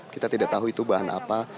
kita tidak tahu itu bahan apa